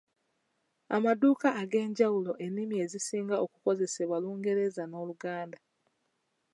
Amaduuka ag’enjawulo ennimi ezisinga okukozesebwako Lungereza n’Oluganda.